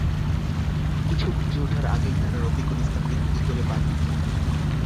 কিছু বুঝে ওঠার আগেই তারা রফিকুল ইসলামকে গুলি করে পালিয়ে যায়।